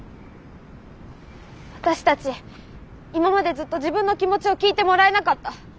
私たち今までずっと自分の気持ちを聞いてもらえなかった。